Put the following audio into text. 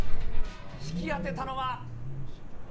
引き当てたのは。